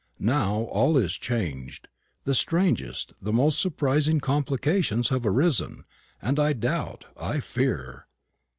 Now all is changed. The strangest, the most surprising complications have arisen; and I doubt, I fear.